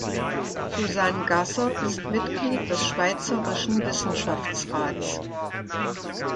Susan Gasser ist Mitglied des Schweizerischen Wissenschaftsrats.